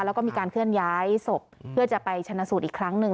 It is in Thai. แล้วก็มีการเคลื่อนย้ายศพเพื่อจะไปชนะสูตรอีกครั้งหนึ่ง